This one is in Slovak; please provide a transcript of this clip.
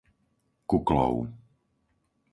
Kuklov